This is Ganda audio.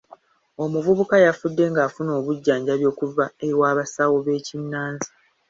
Omuvubuka yafudde ng'afuna obujjanjabi okuva ew'abasawo b'ekinnansi.